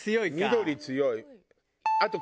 緑強い。